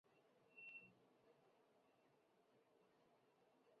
以色列则在伦敦设有大使馆及领事馆。